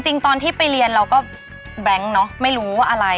จริงตอนที่ไปเรียนเราก็แบรงค์เนอะไม่รู้ว่าอะไร